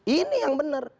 ini yang benar